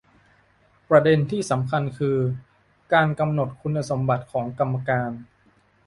ประเด็นที่สำคัญคือ การกำหนดคุณสมบัติของกรรมการ